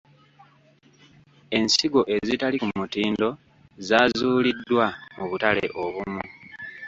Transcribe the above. Ensigo ezitali ku mutindo zaazuuliddwa mu butale obumu.